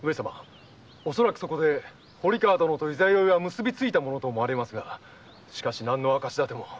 恐らくそこで堀川殿と十六夜は結びついたものと思われますがしかし何の証し立ても。